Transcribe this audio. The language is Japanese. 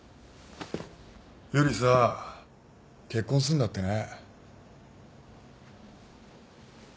由梨さ結婚すんだってね